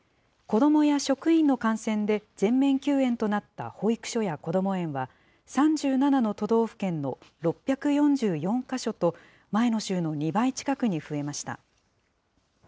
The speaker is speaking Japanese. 子どもや職員の感染で全面休園となった保育所やこども園は、３７の都道府県の６４４か所と、前の週の２倍近くに増えました。